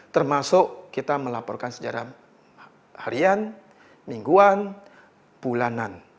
termasuk kita melaporkan sejarah harian mingguan bulanan